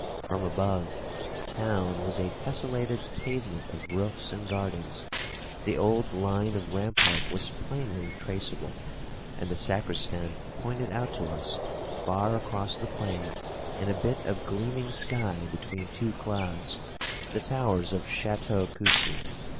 From above, the town was a tesselated pavement of roofs and gardens; the old line of rampart was plainly traceable; and the Sacristan pointed out to us, far across the plain, in a bit of gleaming sky between two clouds, the towers of Château Coucy.